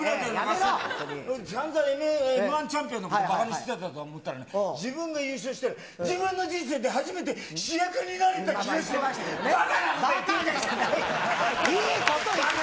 さんざんＭー１チャンピオンのこと、ばかにしてたと思ったら、自分が優勝したら、自分の人生で初めて主役になれた気がしましたって。